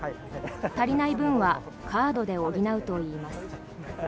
足りない分はカードで補うといいます。